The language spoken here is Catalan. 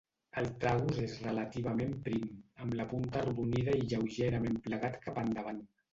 El tragus és relativament prim, amb la punta arrodonida i lleugerament plegat cap endavant.